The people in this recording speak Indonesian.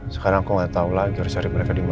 sekarang aku gak tau lagi harus cari mereka dimana